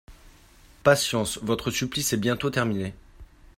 Patience, votre supplice est bientôt terminé